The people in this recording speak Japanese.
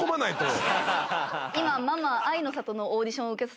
今ママ。